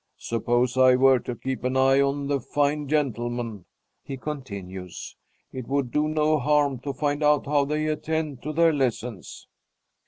Suppose I were to keep an eye on the fine gentlemen?" he continues. "It would do no harm to find out how they attend to their lessons."